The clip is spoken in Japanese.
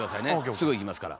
すぐいきますから。